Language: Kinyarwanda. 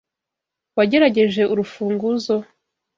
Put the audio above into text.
Wagerageje urufunguzo?